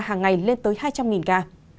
hàng ngày lên tới hai trăm linh ca